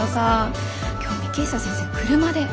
今日幹久先生車で。